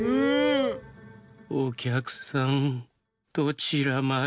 『おきゃくさんどちらまで？』。